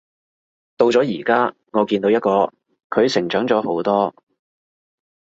到咗而家，我見到一個佢成長咗好多